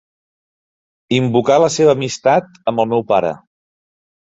Invocà la seva amistat amb el meu pare.